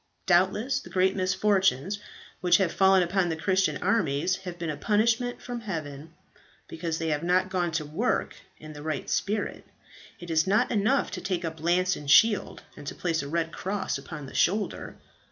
Doubtless the great misfortunes which have fallen upon the Christian armies have been a punishment from heaven, because they have not gone to work in the right spirit. It is not enough to take up lance and shield, and to place a red cross upon the shoulder.